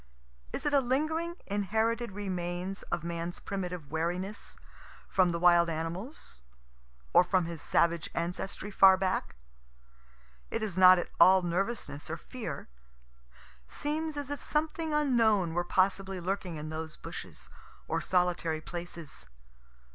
Is it a lingering, inherited remains of man's primitive wariness, from the wild animals? or from his savage ancestry far back? It is not at all nervousness or fear. Seems as if something unknown were possibly lurking in those bushes, or solitary places.